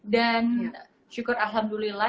dan syukur alhamdulillah